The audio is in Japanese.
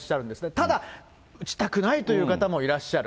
ただ、打ちたくない方というもいらっしゃる。